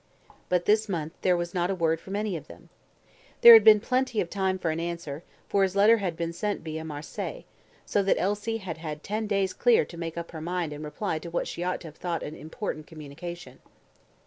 But this month there was not a word from any of them. There had been plenty of time for an answer, for his letter had been sent via Marseilles, so that Elsie had had ten days clear to make up her mind and reply to what she ought to have thought an important communication.